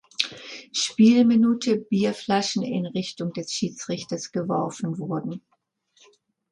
Spielminute Bierflaschen in Richtung des Schiedsrichters geworfen wurden.